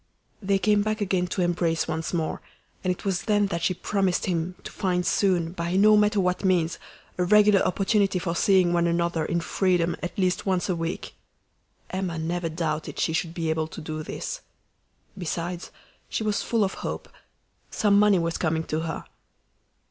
They came back again to embrace once more, and it was then that she promised him to find soon, by no matter what means, a regular opportunity for seeing one another in freedom at least once a week. Emma never doubted she should be able to do this. Besides, she was full of hope. Some money was coming to her.